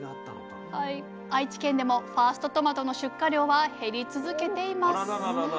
愛知県でもファーストトマトの出荷量は減り続けています。